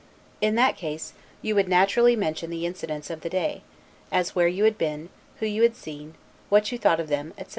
In that case, you would naturally mention the incidents of the day; as where you had been, who you had seen, what you thought of them, etc.